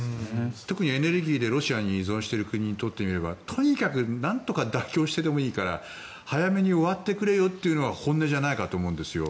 特にエネルギーでロシアに依存している国にとってみればとにかくなんとか妥協してでもいいから早めに終わってくれよというのが本音じゃないかと思うんですよ。